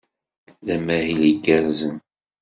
D amahil igerrzen.